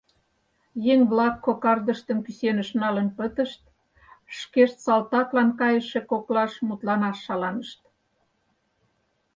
Еҥ-влак кокардыштым кӱсеныш налын пытышт, шкешт салтаклан кайыше коклаш мутланаш шаланышт.